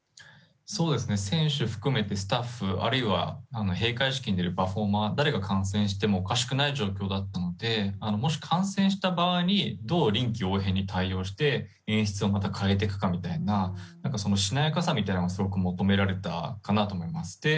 選手含めてスタッフあるいは閉会式に出るパフォーマー誰が感染してもおかしくない状況だったのでもし感染した場合にどう臨機応変に対応して演出をまた変えていくかみたいなそのしなやかさみたいなものがすごく求められたかと思います。